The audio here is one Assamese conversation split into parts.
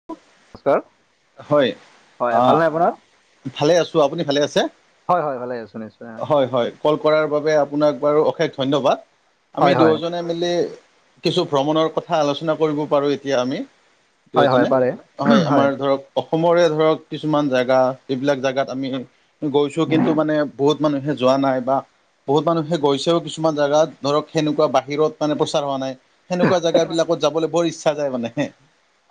[unintelligible] হয় হয় অ। ভালনে আপোনাৰ ভালে আছো। আপুনি ভালে আছে? হয় হয় ভালে আছো নিশ্চয় হয় হয়। ক'ল কৰাৰ বাবে আপোনাক বাৰু অশেষ ধন্যবাদ। আমি হয় হয় দুয়োজনে [unintelligible] কিছু ভ্ৰমণৰ কথা আলোচনা কৰিব পাৰো এতিয়া আমি। হয় হয় দুয়োজনে পাৰে। হয় আমাৰ ধৰক অসমৰে ধৰক কিছুমান জেগা এইবিলাক জোগাত আমি গৈছো কিন্তু মানে বহুত মানুহে যোৱা নাই বা বহুত মানুহে গৈছেও কিছুমান জাগাত ধৰক সেনেকোৱা বাহিৰত মানে প্ৰচাৰ হোৱা নাই। সেনেকোৱা জাগাবিলাকত যাবলৈ বৰ ইচ্ছা যায় মানেহ।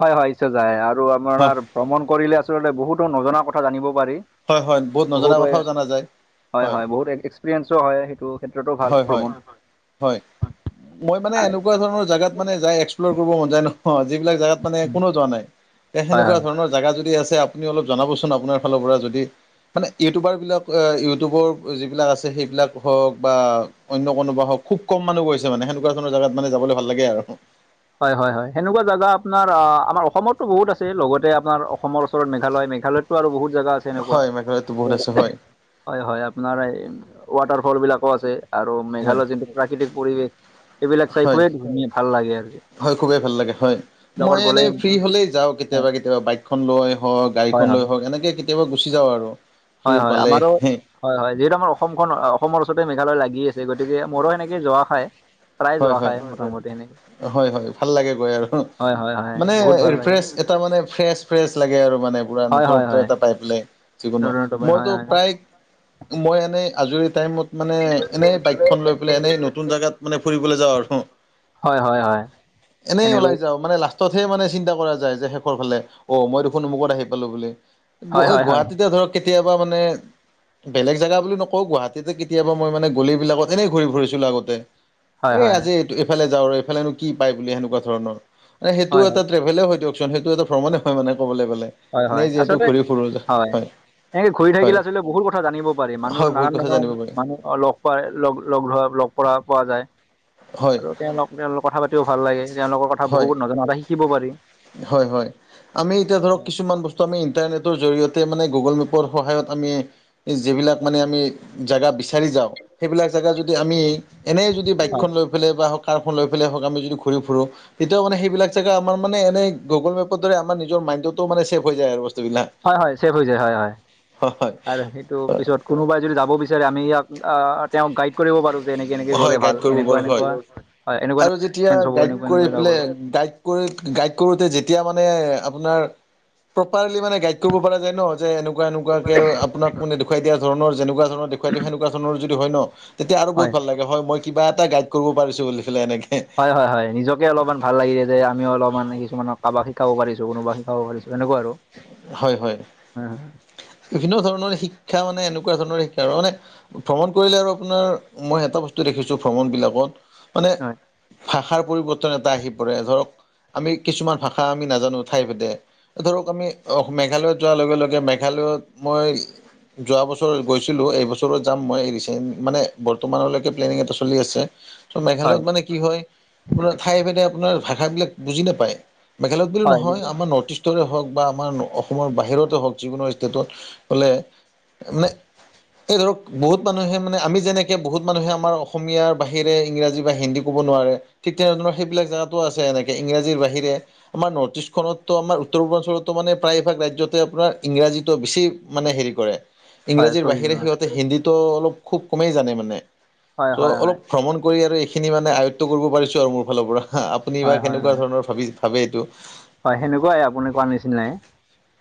হয় হয় ইচ্ছা যায় আৰু হয় আপোনাৰ ভ্ৰমণ কৰিলে আচলতে বহুতো নজনা কথা জানিব পাৰি। হয় হয় বহুত নজনা কথাও জনা যায়। হয় হয় বহুত এক্সপেৰিয়েঞ্চো হয়, সেইটো ক্ষেত্ৰতো ভাল হয় হয় ভ্ৰমণ। হয় মই মানে এনেকুৱা ধৰণৰ জাগাত মানে যাই এক্স প্লৰ কৰিব মন যায় নহ, যিবিলাক জাগাত মানে কোনো যোৱা নাই এ হয় সেনেকোৱা হয় ধৰণৰ জাগা যদি আছে আপুনি অলপ জনাবচোন আপোনাৰ ফালৰ পৰা যদি মানে ইউটিউবাৰবিলাক আ ইউটিউবৰ যিবিলাক আছে সেইবিলাক হওক বা অন্য কোনোবা হক খুব কম মানুহ গৈছে মানে, সেনেকোৱা ধৰণৰ জগাত মানে যাব ভাল লাগে আৰু। হয় হয় হয় সেনেকোৱা জাগা আপোনাৰ আ আমাৰ অসমতো বহুত আছে। লগতে আপোনাৰ অসমৰ ওচৰত মেঘালয় মেঘালয়ত তো আৰু বহুত জাগা আছে এনেকোৱা হয় মেঘালয়তো বহুত আছে হয় হয় হয় আপোনাৰ এই ৱাটাৰ ফল বিলাকো আছে আৰু হয় মেঘালয় যোনটো প্ৰাকৃতিক পৰিৱেশ সেইবিলাক চাই হয় খুবেই ধুনীয়া ভাল লাগে আৰু। হয় খুবেই ভাল লাগে হয়। লগত মই গ'লে এনেই ফ্ৰী হয়, হলেই যাওঁ কেতিয়াবা কেতিয়াবা, বাইকখন লৈ হওক হয়, গাড়ীখন লৈ হয়, হওক এনেকে কেতিয়াবা গুচি যাওঁ আৰু। ফ্ৰী হয় হয় পালে আমাৰো হয় হয় যিহেতু আমাৰ অসমখন অসমৰ ওচৰতে মেঘালয় লাগি আছে গতিকে মোৰো সেনেকে যোৱা খায়, প্ৰায় হয় যোৱা হয় খায় মোটামটি সেনেকে। হয় হয় ভাল লাগে গৈ আৰু হয়, হয়, হয়, মানে বহুত ভাল লাগে। ৰিফৰেছ এটা মানে ফ্ৰেছ ফ্ৰেছ লাগে আৰু মানে পুৰা হয়, হয়, নতুনত্ব হয়, এটা পাই পেলাই যিকোনো, নতুন হয়, মইতো হয়। প্ৰায় মই এনেই আজৰি টাইমত মানে এনেই বাইকখন লৈ পেলাই এনেই নতুন জাগাত মানে ফুৰিবলৈ যাওঁ আৰু। হয় হয় হয়। এনেই এনেকৈ ওলাই যাওঁ মান লাষ্ট তহে মানে চিন্তা কৰা যায় যে শেষৰ ফালে অ মই দেখোন অমুকত আহি পালো বুলি। হয়, হয়, হয়, গুৱাহাটীতে ধৰক কেতিয়াবা মানে বেলেগ জাগা বুলি নকওঁ গুৱাহাটীতে কেতিয়াবা মই মানে গলি বিলাকত এনেই ঘূৰি ফুৰিছিলো আগতে। হয়, হয়, এ হয়, আজি এইটো এইফালে যাওঁ আৰু এইফালেনো কি পায় বুলি সেনেকোৱা ধৰণৰ। মানে সেইটো হয়, এটা ট্ৰেভেলে হয় দিয়কচোন, সেইটো এটা ভ্ৰমণে হয় মানে ক'বলৈ গ'লে। হয়, হয়, এনেই যিহেতু আচলতে ঘূৰি ফুুৰো হয়। এনেকে ঘূৰি হয় থাকিলে আচলতে বহুত কথা জানিব পাৰি হয় মানুহ বহুত নানান কথা ধৰণৰ জানিব পাৰি মানুহ অ লগ পায় লগ লগ ধৰা লগ কৰা পোৱা যায়, হয় আৰু তেওঁলোক তেওঁলোক কথা পাতিও ভাল লাগে, তেওঁলোকৰ কথা হয় বহুত নজনা এটা শিকিব পাৰি। হয় হয়। আমি এতিয়া ধৰক কিছুমান বস্তু আমি ইণ্টাৰনেটৰ জৰিয়তে মানে গুগল মেপৰ সহায়ত আমি যিবিলাক মানে আমি জাগা বিচাৰি যাওঁ সেইবিলাক জাগা যদি আমি এনেই যদি হয়, বাইকখন লৈ পেলাই বা হওক কাৰখন লৈ পেলাই হওক আমি যদি ঘূৰি ফুুৰো তেতিয়াও মানে সেইবিলাক জাগা আমাৰ মানে এনেই গুগল মেপৰ দৰে আমাৰ নিজৰ মাইন্ডোটো মানে চেভ হৈ যায় আৰু বস্তু বিলাক। হয় হয় ছেভ হৈ যায় হয় হয়। আৰু সেইটো হয় পিছত কোনোবাই যদি যাব বিচাৰে আমি ইয়াক আ তেওঁক গাইড কৰিব পাৰো যে এনেকে এনেকে হয় গ'লে গাইড ভাল, কৰিব এনেকোৱা পাৰো হয় এনেকোৱা হয় এনেকোৱা আৰু যেতিয়া [unintelligible] গাইড হব কৰি এনেকুৱা যাব পেলাই পাৰোঁ গাইড কৰি গাইড কৰোতে যেতিয়া মানে আপোনাৰ প্ৰপাৰলি মানে গাইড কৰিব পৰা যায় ন যে এনেকুৱা এনেকুৱাকে আপোনাক দেখুৱাই দিয়া ধৰণৰ যেনেকুৱা ধৰণৰ দেখুৱাই দিয়ে সেনেকোৱা ধৰণৰ যদি হয় ন, তেতিয়া আৰু বহুত হয় ভাল লাগে হয় মই কিবা এটা গাইড কৰিব পাৰিছো বুলি পেলাই এনেকে। হয় হয় হয় নিজকে অলপমান ভাল লাগিলে যে আমিও অলপমান কিছুমানক কাবাক শিকাব পাৰিছো কোনোবা শিকাব পাৰিছো এনেকুৱা আৰু। হয় হয় বিভিন্ন ধৰণৰ শিক্ষা মানে এনেকুৱা ধৰণৰ শিক্ষা আৰু মানে ভ্ৰমণ কৰিলে আৰু আপোনাৰ মই এটা বস্তু দেখিছো ভ্ৰমণ বিলাকত মানে হয় ভাষাৰ পৰিৱৰ্তন এটা আহি পৰে, ধৰক আমি কিছুমান ভাষা আমি নাজানো ঠাই ভেদে, ধৰক আমি মেঘালয়ত যোৱাৰ লগে লগে মেঘালয়ত মই যোৱা বছৰ গৈছিলোঁ এইবছৰৰত যাম মই ৰিচেণ্ট মানে বৰ্তমানলৈকে প্লেনিং এটা চলি আছে। ত হয় মেঘালয়ত মানে কি হয় আপোনাৰ ঠাই ভেদে আপোনাৰ ভাষাবলাক বুজি নাপায়। মেঘালয়ত বুলি হয় নহয় আমাৰ নৰ্থ ইষ্টৰে হওক বা আমাৰ অসমৰ বাহিৰতে হওক যিকোনো ষ্টেটত হ'লে মানে এই ধৰক বহুত মানুহে মানে আমি যেনেকৈ বহুত মানুহে আমাৰ অসমাৰ বাহিৰে ইংৰাজী বা হিন্দী ক'ব নোৱাৰে। ঠিক তেনেধৰণৰ সেইবিলাক জেগাতো আছে এনেকে ইংৰাজীৰ বাহিৰে আমাৰ নথ ইষ্টখনতো আমাৰ উত্তৰ পূৰ্বাঞ্চলত মানে প্ৰায় ভাগ ৰাজ্যতে আপোনাৰ ইংৰাজীটো বেছি মানে হেৰি কৰে। হয় ইংৰাজীৰ চলি বাহিৰে যোৱা সিহঁতে হিন্দীটো অলপ খুব কমেই জানে মানে। হয় চ হয় হয় অলপ ভ্ৰমণ কৰি আৰু এইখিনি মানে আয়ত্ব কৰিব পাৰিছোঁ আৰু মোৰ ফালৰ পৰা। আপুনি বা হয় হয় কেনেকুৱা হয় ধৰণৰ ভাবি ভাবে এইটো। হয় সেনেকুৱাই আপুনি কোৱা নিচিনাই।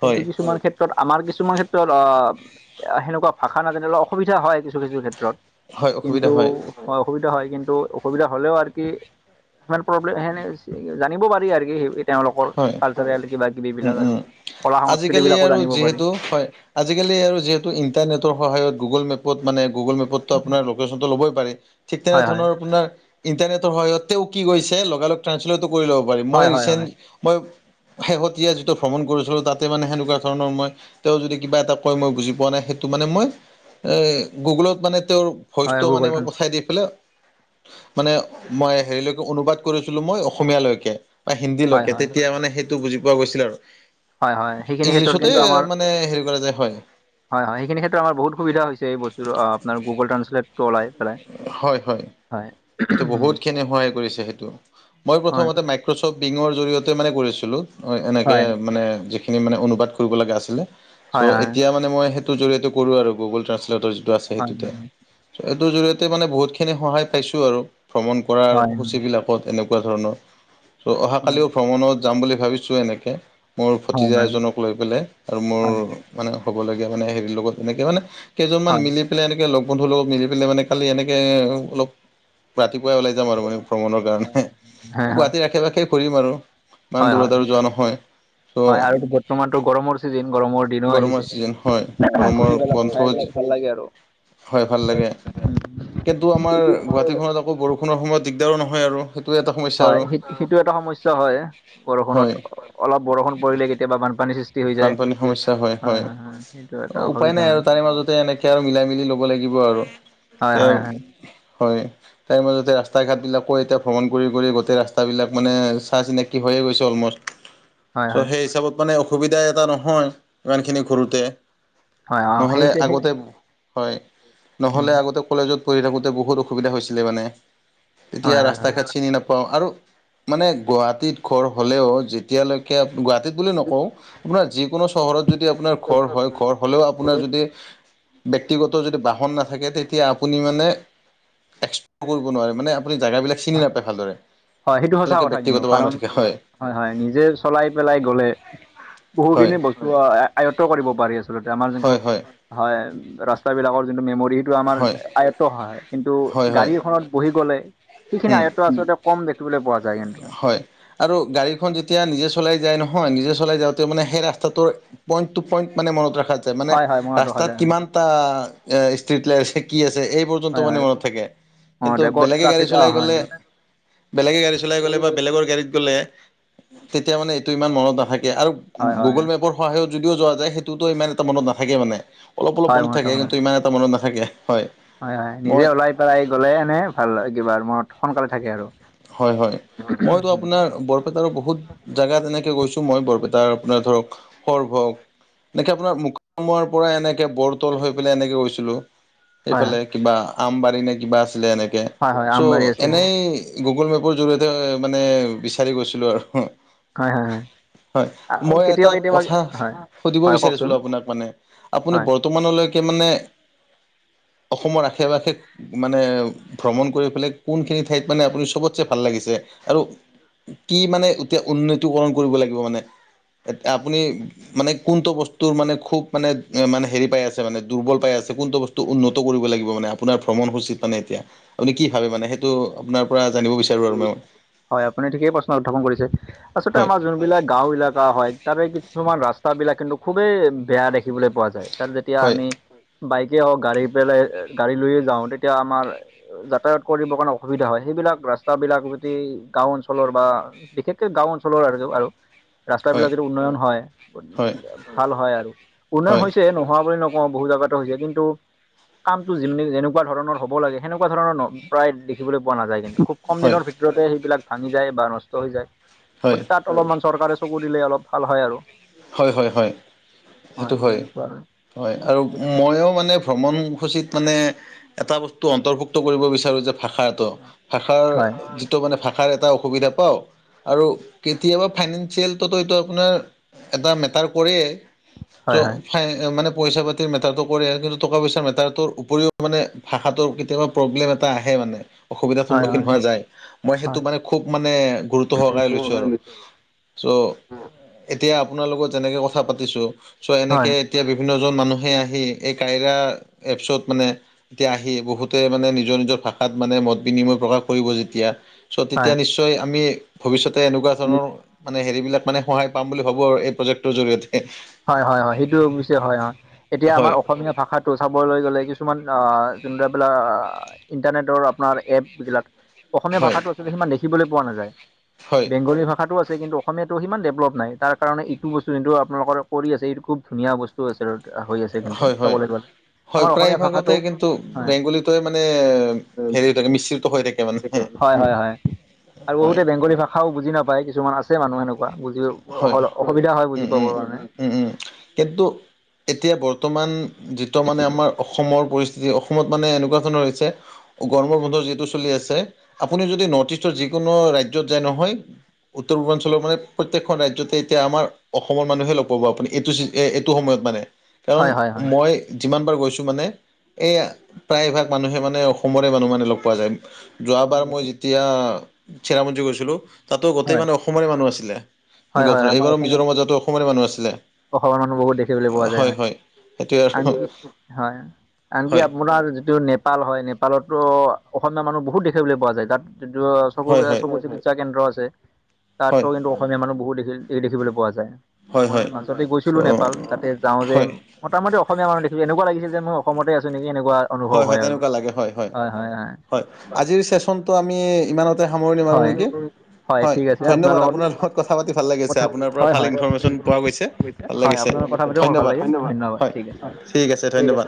কিন্তু হয় কিছুমান ক্ষেত্ৰ আমাৰ কিছুমান ক্ষেত্ৰত আহ সেনেকুৱা ভাষা নাজানিলে অসুবিধা হয় কিছু কিছু ক্ষেত্ৰত। হয় অসুবিধা কিন্তু হয় অসুবিধা হয়, কিন্তু অসুবিধা হ'লেও আৰু কি ইমান প্ৰব্লেম সেনে জানিব পাৰি আৰু কি তেওঁলোকৰ। হয়, কালচাৰেল কিবা কিবি উম, বিলাক আৰু উম, কলা সংস্কৃতি আজিকালি বিলাকো আৰু জানিব পাৰি যিহেতু হয়। আজিকালি আৰু যিহেতু ইণ্টাৰনেটৰ সহায়ত গুগল মেপত মানে গুগল মেপত আপোনাৰ লোকেশ্বনটো ল'বই পাৰি, ঠিক হয় হয় তেনেধৰণৰ আপোনাৰ ইণ্টাৰনেটৰ সহায়তেও কি কৈছে লগে লগ ট্ৰানঞ্চলেটো কৰি ল'ব পাৰি। মই হয় হয় ৰিচেণ্ট হয় মই শেহতীয়া যিটো ভ্ৰমণ কৰিছিলোঁ তাতে মানে সেনেকুৱা ধৰণৰ মই তেওঁ যদি কিবা এটা কয় মই বুজি পোৱা নাই সেইটো মানে মই এ গুগলত মানে তেওঁৰ হয় ভইচটো মানে গুগল মই ট্ৰান্সলেট পঠাই দি পেলাই মানে মই হেৰিলৈকে অনুবাদ কৰিছিলো মই অসমীয়া লৈকে বা হিন্দী হয় লৈকে হয় তেতিয়া মানে সেইটো বুজি পোৱা গৈছিল আৰু। হয় হয় সেইখিনি ক্ষেত্ৰত ইংলিছতে কিন্তু আমাৰ মানে হেৰি কৰা যায় হয়। হয়, হয়, সেইখিনি ক্ষেত্ৰ আমাৰ বহুত সুবিধা এই বস্তু অ' আপোনাৰ গুগল ট্ৰাচলেটতো ওলাই। পেলাই হয়, হয়, সেইটো বহুতখিনি সহায় কৰিছে সেইটো। মই হয় প্ৰথমতে [unintelligible] জৰিয়তে মানে কৰিছিলো হয় এনেকে মানে যি খিনি মানে অনুবাদ কৰিবলগা আছিলে, চ' হয় হয় এতিয়া মানে মই সেই টো জৰিয়তে কৰো আৰু গুগল ট্ৰাচলেটৰ যিটো আছে হয় সেইটোতে। হয় সেইটো জৰিয় তে মানে বহুতখিনি সহায় পাইছো আৰু ভ্ৰমণ কৰাৰ হয় সূচীবিলাকত এনেকুৱা ধৰণৰ। চ' অহাকালিও ভ্ৰমণত যাম বুলি ভাবিছোঁ এনেকে। মোৰ হয় হয় ভতিজা হয় হয় এজনক লৈ পেলাই আৰু মোৰ মানে হ'বলগীয়া মানে হেৰি লগত এনেকে মানে কেইজন মান হয় মিলি পেলাই এনেকে লগ বন্ধুৰ লগত মিলি পেলাই মানে কালি এনেকে অলপ ৰাতিপুৱাই ওলাই যাম আৰু মানে ভ্ৰমণৰ কাৰণে। হয় হয় হয় গুৱাহাটীৰ আশে পাশে ফুৰিম আৰু ইমান হয় হয় দূৰত আৰু যোৱা নহয়। চ' হয়, আৰু বৰ্তমানটো গৰমৰ চিজিন গৰমৰ দিনো গৰমৰ আহিছে ছিজন হয় গৰমৰ বন্ধও [unintelligible] ভাল লাগে আৰু। হয়, ভাল লাগে। কিন্তু আমাৰ গুৱাহাটীখনত আকৌ বৰষুণৰ সময়ত দিগদাৰো নহয় আৰু। সেইটো এটা সমস্যা হয়, আৰু সেই সেইটো এটা সমস্যা হয়। বৰষুণত হয় অলপ বৰষুণ পৰিলে কেতিয়াবা বানপানীৰ সৃষ্টি হৈ যায়। হয়, হয়, হয়! এটা অ', উপায় অসুবিধা নাই হয় আৰু তাৰে মাজতে এনেকে আৰু মিলাই মেলি ল'ব লাগিব আৰু। হয় হয় হয়। তাৰ মাজতে ৰাস্তা ঘাটবিলাকো এতিয়া ভ্ৰমণ কৰি গোটেই ৰাস্তাবিলাক মানে চা চিনাকি হৈয়ে গৈছে অলম'ষ্ট। চ' হয় হয় সেই হিচাপত মানে অসুবিধা এটা নহয় ইমানখিনি ঘূৰোতে। হয় হয় অ সেই নহ'লে সেই আগতে হয়, উম নহ'লে আগতে কলেজত পঢ়ি থাকোঁতে বহুত অসুবিধা হৈছিলে মানে। তেতিয়া হয় হয় ৰাস্তা হয় ঘাট চিনি নাপাওঁ আৰু মানে গুৱাহাটীত ঘৰ হ'লেও যেতিয়ালৈকে গুৱাহাটীত বুলি নকওঁ আপোনাৰ যিকোনো চহৰত যদি আপোনাৰ ঘৰ হয়। ঘৰ হ'লেও আপোনাৰ যদি ব্যক্তিগত যদি বাহন নাথাকে। তেতি তিয়া আপুনি মানে এক্সপ্ল'ৰ কৰিব নোৱাৰে মানে আপুনি জেগাবিলাক চিনি নাপায় ভালদৰে। হয়, সেইটো সঁচা যেতিয়ালৈকে কথা কিন্তু। ব্যক্তিগত বাহন কাৰণ নাথাকে হয়, হয় নিজে চলাই পেলাই গ'লে হয় বহুখিনি বস্তু আয়ত্ব কৰিব পাৰি আচলতে আমাৰ যোনটো হয় হয় হয়, ৰাস্তাবিলাকৰ যোনটো মেম'ৰি টো আমাৰ হয় আয়ত্ত হয়। কিন্তু হয় হয় গাড়ী এখনত বহি গ'লে সেইখিনি উম আয়ত্ত আচলতে কম দেখিবলৈ পোৱা যায়। কিন্তু হয়। আৰু গাড়ীখন যেতিয়া নিজে চলাই যায় নহয়। নিজে চলাই যাওঁতে মানে সেই ৰাস্তাটোৰ পইণ্ট টু পইণ্ট মানে মনত ৰখা যায়। মানে হয় হয় মনত ৰখা ৰাস্তাত যায় কিমানটা এ ষ্ট্ৰিট লাইট আছে কি আছে এই পৰ্যন্ত হয় মানে হয় মনত থাকে। মনত কিন্তু ৰাখে ক'ত বেলেগে গাড়ী ট্ৰাফিক অ চলাই হয় গ'লে বেলেগে গাড়ী চলাই গ'লে বা বেলেগৰ গাড়ীত গ'লে তেতিয়া মানে সেইটো ইমান মনত নাথাকে আৰু হয় হয় গুগল মেপৰ সহায়ত যদিও যোৱা যায় সেইটোতো ইমান এটা মনত নাথাকে মানে। অলপ অলপ হয় মনত থাকে, ৰখা হয় কিন্তু ইমান এটা মনত নাথাকে হয়। মই স আহি গ'লে এনে ভাল কিবা মনত সোনকালে থাকে আৰু। হয় হয় মইতো আপোনাৰ ব জাগা তেনেকে গৈছো মই বৰপেটাৰ আপোনাৰ ধৰক সৰভোগ এনেকে আপোনাৰ মুকালমুৱাৰ পৰা এনেকে বৰতল হৈ পেলাই এনেকে গৈছিলোঁ। হয় সেইফালে কিবা আমবাৰী নে কিবা আছিলে এনেকে। হয় হয় আমবাৰী চ' আছে এনেই গুগল মেপৰ জৰিয়তে মানে বিচাৰি গৈছিলোঁ আৰু। হয় হয় হয় হয় মই এটা কেতিয়াবা কেতিয়াবা কথা হয় সুধিব হয় কওকচোন বিচাৰিছিলো আপোনাক মানে আপুনি হয় বৰ্তমানলৈকে মানে অসমৰ আশে-পাশে মানে ভ্ৰমণ কৰি পেলাই কোনখিনি ঠাইত মানে আপুনি চবতছে ভাল লাগিছে? আৰু কি মানে এতিয়া উন্নতিকৰণ কৰিব লাগিব মানে? এতি আপুনি মানে কোনটো বস্তুৰ মানে খুব মানে মানে হেৰি পাই আছে মানে দুৰ্বল পাই আছে, কোনটো বস্তু উন্নত কৰিব লাগিব মানে, আপোনাৰ ভ্ৰমণসূচীত মানে এতিয়া, আপুনি কি ভাবে মানে সেইটো আপোনাৰ জানিব বিচাৰো আৰু মই হয় আপুনি ঠিকেই প্ৰশ্ন উত্থাপন কৰিছে। আচলতে হয় আমাৰ যোনবিলাক গাঁও এলেকা হয় তাৰে কিছুমান ৰাস্তাবোলাক কিন্তু খুবেই বেয়া দেখিবলৈ পোৱা যায়। তাত যেতিয়া হয় আমি বাইকে হওক গাড়ী পেলাই গাড়ী লৈয়ে যাওঁ তেতিয়া আমাৰ কৰিব দিবৰ কাৰণে অসুবিধা হয়। সেইবিলাক ৰাস্তাবিলাক যদি গাঁও অঞ্চলৰ বা বিশেষকে গাঁও অঞ্চলৰ আৰু হয় ৰাস্তাবিলাক যদি উন্নয়ন হয়, হয় ভাল হয় আৰু, উন্নয়ন হয় হৈছে নো হোৱা বুলি নকওঁ বহু জাগাতে হৈছে। কিন্তু কামটো যি যেনেকুৱা ধৰণ হ'ব লাগে সেনেকুৱা ধৰণৰ প্ৰায় দেখিবলৈ পোৱা নাযায় কিন্তু, খুব কম হয় দিনৰ ভিতৰতে সেইবিলাক ভাঙি যায় বা নষ্ট হৈ যায়। হয় গতিকে তাত অলপমান চৰকাৰে চকু দিলে অলপ ভাল হয় আৰু। হয় হয় হয় সেইটো হয় হয় আৰু হয় ময়ো মানে ভ্ৰমণসূচীত মানে এটা বস্তু অন্তৰ্ভুক্ত কৰিব বিচাৰো যে ভাষা ভাষাৰ হয় মানে ভাষাৰ এটা অসুবিধা পাওঁ আৰু কেতিয়াবা ফাইনেন্সিয়েলটোতো এইটো আপোনাৰ এটা মেটাৰ কৰে হয় চ হয় মানে পইচা পাতি মেটাৰটো কৰে, কিন্তু টকা-পইচাৰ মেটাৰটোৰ উপৰিও মানে ভাষাটোৰ কেতিয়াবা প্ৰব্লেম এটা আহে মানে। অসুবিধাৰ হয় হয় হয় সন্মুখীন হোৱা যায়। মই সেইটো মানে খুব মানে গুৰুত্ব সহকাৰে লৈছো আৰু। চ [inaudible] এতিয়া আপোনাৰ লগত যেনেকে কথা পাতিছো, চ' এনেকে এতিয়া বিভিন্নজন মানুহে আহি এই কাইৰা এপছত মানে এতিয়া আহি বহুতে মানে নিজৰ নিজৰ ভাষাত মানে মত বিনিময় প্ৰকাশ কৰিব যেতিয়া। চ' তেতিয়া নিশ্চয় আমি ভৱিষ্যতে এনেকুৱা ধৰণৰ মানে হেৰিবিলাক মানে সহায় পাম বুলি ভাবো আৰু এই প্ৰজেক্টটোৰ জৰিয়তে। হয় হয় হয় সেইটো অৱশ্যে হয় হয়। এতিয়া আমাৰ হয় অসমীয়া ভাষাত চাবলৈ গ'লে কিছুমান অ এইবিলাক ইণ্টাৰনেটৰ আপোনাৰ এপবিলাক অসমীয়া হয় ভাষাটো আচলতে সিমান দেখিবলৈ পোৱা নাযায়। হয় বেংগলী ভাষাটো আ কিন্তু অসমীয়াটো সিমান ডেভেলপ নাই, তাৰ কাৰণে এইটো বস্তুটো আপোনালোকৰ কৰি আছে এইটো খুব ধুনীয়া বস্তু আছে। হৈ আছে কিন্তু হয় হয় চাবলৈ গ'লে। হয় আমাৰ অসমীয়া প্ৰায়ভাগতে ভাষাটো কিন্তু হয় বেংগলীটোৱে মানে হেৰি হৈ থাকে মিশ্ৰিত হৈ থাকে মানে। হয় হয় হয় আৰু হয় বহুতে বেংগলী ভাষাও বুজি নাপায় কিছুমান আছে মানুহ সেনেকুৱা বুজি হয় অসুবিধা হয় বুজি উম পাবৰ উম কাৰণে। উম উম কিন্তু এতিয়া বৰ্তমান যিটো মানে আমাৰ অসমৰ পৰিস্থিতি, অসমত মানে এনেকুৱা ধৰনৰ হৈছে গৰম বন্ধ যিহেতু চলি আছে। আপুনি যদি নৰ্থ ইষ্টৰ যিকোনো ৰাজ্যত যায় নহয় উত্তৰ পূৰ্বাঞ্চৰ মানে প্ৰত্যেকখন ৰাজ্যতে এতিয়া আমাৰ অসমৰ মানুহে লগ পাব আপুনি এইটো এইটো সময়ত মানে কাৰণ হয় হয় হয় মই যিমানবাৰ গৈছোঁ মানে এই প্ৰায়ভাগ মানুহে মানে অসমৰে মানুহ মানে লগ পোৱা যায় যোৱাবাৰ মই যেতিয়া চেৰাপুঞ্জি গৈছিলোঁ তাতো গোটেই হয় মানে অসমৰে মানুহ আছিলে হয় তেনেকুৱা হয় ধৰণৰ আমাৰ এইবাৰ অসমত মিজৰামতো অসমৰে মানুহ আছিলে অসমৰ মানুহ বহুত দেখিবলৈ পোৱা যায় হয় আনকি হয় আনকি হয় আপোনাৰ যিটো নেপ নেপাল হয় নেপালতো অসমীয়া মানুহ বহুত দেখিবলৈ পোৱা যায় তাত হয় চবকে হয় চবতে শা কেন্দ্ৰ আছে তাতো হয় কিন্তু অসমীয়া মানুহ বহুত দে দেখিবলৈ পোৱা যায় হয় হয় ততে গৈছিলো নেপাল চ' তাতে যাওঁ হয় যেম মোটামটি অসমীয়াানুহ মানুহ দেখো এনেকুৱা লাগিছে যে মই অসমতে আছো নেকি এনেকুৱা অনুভৱ হয় হয় আৰু। তেনেকুৱা লাগে হয় হয় হয় আজিৰ চেচনটো আমি ইমানত সামৰণি মাৰোঁ হয় নেকি হয় ধন্যবাদ আপোনাৰ লগত কথা পাতি ভাল লাগিছে কথা আপোনাৰ পৰা হয় ভাল হয় ইনফৰ্মমেশ্যন পোৱা গৈছে ভাল হয় লাগিছে আপোনাৰ লগত কথা পাতিও মোৰ ভাল ধন্যবাদ লাগিল ধন্যবাদ হয় ঠিক আছে ঠিক আছে ধন্যবাদ